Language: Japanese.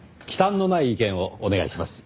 忌憚のない意見をお願いします。